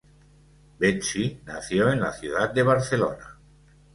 Betsy nació en la ciudad de Barcelona.